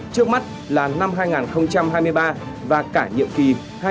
trước mắt là năm hai nghìn hai mươi ba và cả nhiệm kỳ hai nghìn hai mươi một hai nghìn hai mươi năm